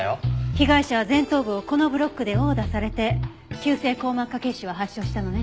被害者は前頭部をこのブロックで殴打されて急性硬膜下血腫が発症したのね。